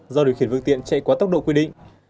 do điều khiển phương tiện chạy quá tốc độ quy định